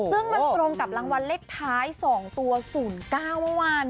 ซึ่งมันตรงกับรางวัลเลขท้าย๒ตัว๐๙เมื่อวาน